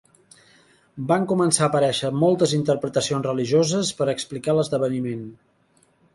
Van començar a aparèixer moltes interpretacions religioses per a explicar l'esdeveniment.